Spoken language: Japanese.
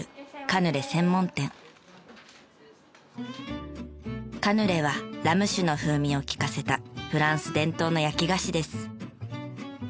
カヌレはラム酒の風味を利かせたフランス伝統の焼き菓子です。